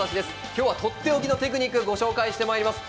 今日はとっておきのテクニックをご紹介してまいります。